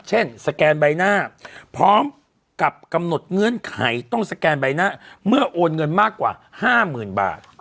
สแกนใบหน้าพร้อมกับกำหนดเงื่อนไขต้องสแกนใบหน้าเมื่อโอนเงินมากกว่า๕๐๐๐บาท